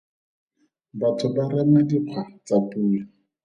Batho ba rema dikgwa tsa pula.